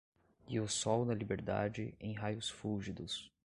E o sol da Liberdade, em raios fúlgidos